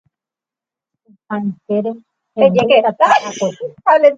Ndohechaporãvei ha avei iñakãnga'u ha ipy'amanose.